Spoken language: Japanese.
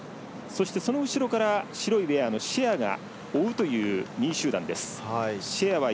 その後ろから、白いウエアのシェアが追うという２位集団です。